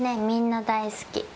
みんな大好き。